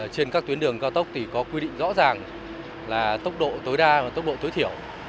trên các tuyến đường cao tốc thì có quy định rõ ràng là tốc độ tối đa và tốc độ tối thiểu